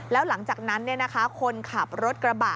แล้วหลังจากนั้นเนี่ยนะคะคนขับรถกระบะ